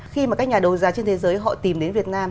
khi mà các nhà đấu giá trên thế giới họ tìm đến việt nam